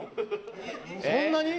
そんなに？